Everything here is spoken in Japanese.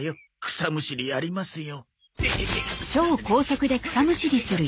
草むしりやりますよ。